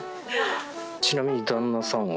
ちなみに旦那さんは？